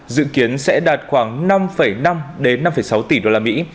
dự kiến sẽ đạt khoảng năm năm đến năm sáu tỷ đô la mỹ